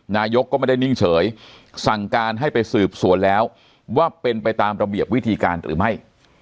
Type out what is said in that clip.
นายกก็ไม่ได้นิ่งเฉยสั่งการให้ไปสืบสวนแล้วว่าเป็นไปตามระเบียบวิธีการหรือไม่